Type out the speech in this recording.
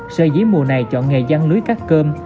sơ dĩ mùa này chọn nghề dăn lưới cát cơm